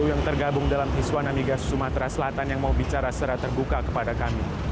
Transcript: yang tergabung dalam iswana migas sumatera selatan yang mau bicara secara terbuka kepada kami